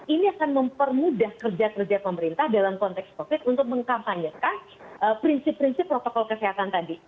ini akan mempermudah kerja kerja pemerintah dalam konteks covid untuk mengkampanyekan prinsip prinsip protokol kesehatan tadi